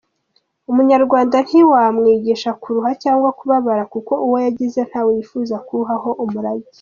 Umunyarwanda ntiwamwigisha kuruha cyangwa kubabara kuko uwo yagize ntawe yifuza kuwuhaho umurage.